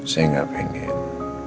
saya gak pengen